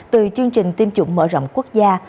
từ chương trình tiêm chủng mở rộng quốc gia